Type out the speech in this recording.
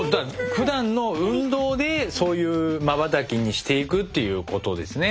ふだんの運動でそういうまばたきにしていくっていうことですね。